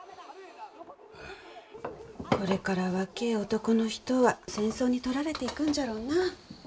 これから若え男の人は戦争に取られていくんじゃろうなあ。